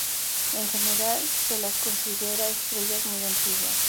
En general, se las considera estrellas muy antiguas.